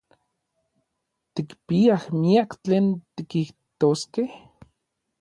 Tikpiaj miak tlen tikijtoskej.